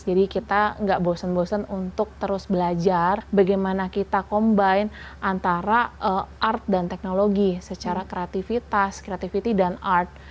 jadi kita nggak bosan bosen untuk terus belajar bagaimana kita combine antara artu dan teknologi secara kreativitas creativity dan art